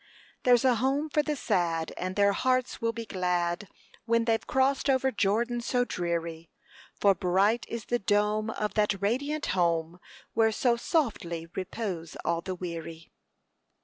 There's a home for the sad, and their hearts will be glad When they've crossed over Jordan so dreary; For bright is the dome of that radiant home Where so softly repose all the weary."